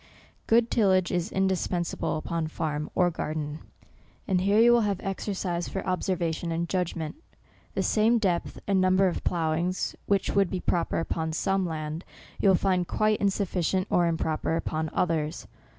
Good tillage is indispensable, upon farm or garden ; and here you will have exercise for observation and judgment. The same depth and number of ploughings which would be proper upon some land, you will find quite insufficient, or improper upon others.